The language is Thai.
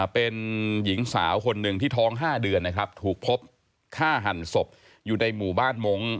เป็นหญิงสาวคนหนึ่งที่ท้อง๕เดือนนะครับถูกพบฆ่าหันศพอยู่ในหมู่บ้านมงค์